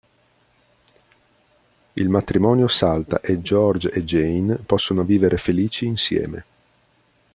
Il matrimonio salta e George e Jane possono vivere felici insieme.